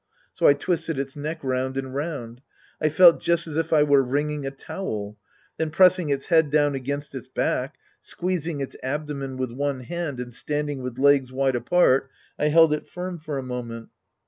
So I twisted its neck round and round. I felt just as if I were wringing a towel. Then pressing its head down against its back, squeez ing its abdomen with one hand and standing with legs wide apart, I held it firm for a moment.